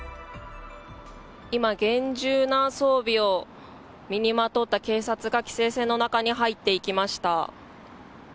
今、厳重な装備を身にまとった警察が規制線の中に入っていきました。